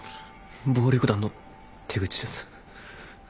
暴力団の手口です。